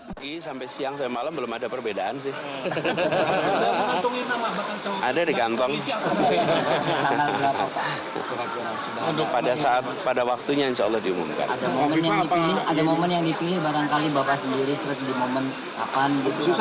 ada momen yang dipilih bahkan kali bapak sendiri sering di momen kapan gitu akan menyampaikan